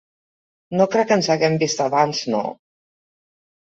No crec que ens haguem vist abans, no?